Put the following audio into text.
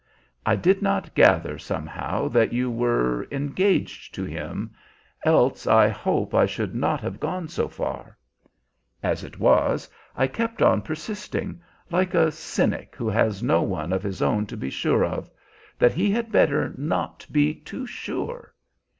I did not gather somehow that you were engaged to him, else I hope I should not have gone so far. As it was, I kept on persisting like a cynic who has no one of his own to be sure of that he had better not be too sure!